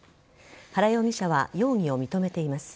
原容疑者は容疑を認めています。